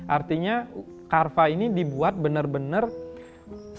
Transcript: artinya karva ini dibuat benar benar untuk karyawan